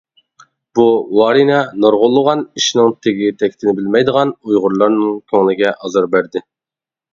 بۇ ۋارىنە، نۇرغۇنلىغان ئىشنىڭ تېگى-تەكتىنى بىلمەيدىغان ئۇيغۇرلارنىڭ كۆڭلىگە ئازار بەردى.